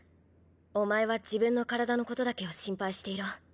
お前は自分の体のことだけを心配していろ。